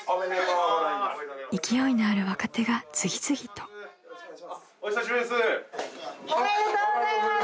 ［勢いのある若手が次々と］おめでとうございます。